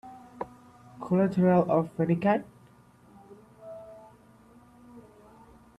Collateral of any kind?